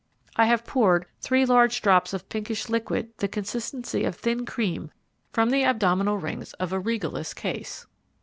I have poured three large drops of pinkish liquid the consistency of thin cream from the abdominal rings of a Regalis case.